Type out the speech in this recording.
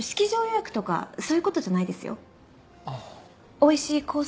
おいしいコース